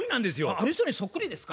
ある人にそっくりですか？